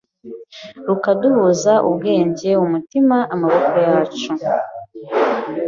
rukaduhuza, Ubwenge, umutima, amaboko yacu